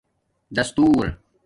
دستورا